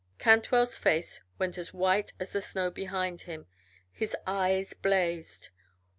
Cantwell's face went as white as the snow behind him, his eyes blazed.